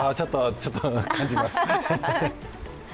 ちょっと感じます。